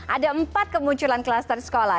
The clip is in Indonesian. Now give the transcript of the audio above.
ada empat kemunculan kluster sekolah